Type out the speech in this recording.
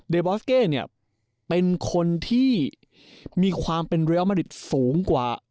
บอสเก้เนี่ยเป็นคนที่มีความเป็นเรียลมาริดสูงกว่า